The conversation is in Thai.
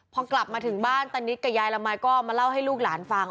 พอกลับมาถึงบ้านตานิดกับยายละมายก็มาเล่าให้ลูกหลานฟัง